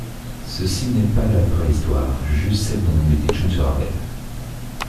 Ceci n’est pas la vraie Histoire, juste celle dont les pitchouns se rappellent.